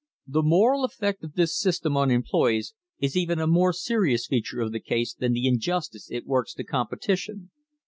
The moral effect of this system on employees is even a more serious feature of the case than the injustice it works to competition.